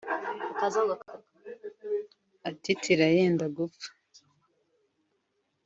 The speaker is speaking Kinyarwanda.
atitira yenda gupfa